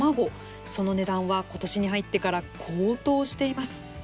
その値段は、今年に入ってから高騰しています。